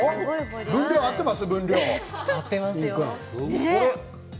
分量合ってます？